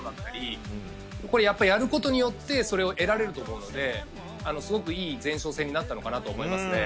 やっぱりやることによってそれを得られると思うのですごくいい前哨戦になったと思います。